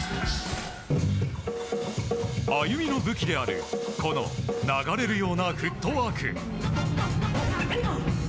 ＡＹＵＭＩの武器であるこの流れるようなフットワーク。